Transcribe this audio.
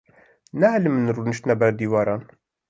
Neelîmin rûniştina ber dîwaran.